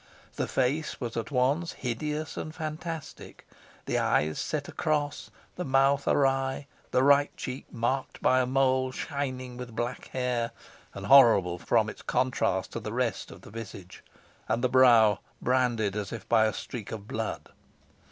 The face was at once hideous and fantastic the eyes set across the mouth awry the right cheek marked by a mole shining with black hair, and horrible from its contrast to the rest of the visage, and the brow branded as if by a streak of blood.